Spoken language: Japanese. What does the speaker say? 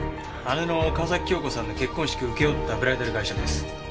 姉の川崎京子さんの結婚式を請け負ったブライダル会社です。